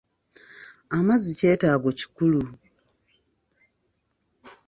Amazzi kyetaago kikulu.